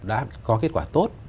đã có kết quả tốt